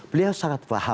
beliau sangat paham